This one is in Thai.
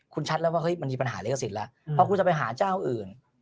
คุณชัดแล้วว่ามันมีปัญหาลิขสิทธิ์แล้วเพราะคุณจะไปหาเจ้าอื่น